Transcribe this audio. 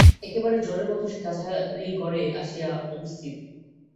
একেবারে ঝড়ের মতো সে কাছারিঘরে আসিয়া উপস্থিত।